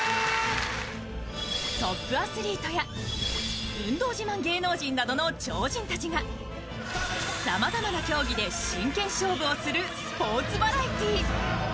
トップアスリートや運動自慢芸能人たちがさまざまな競技で真剣勝負をするスポーツバラエティー。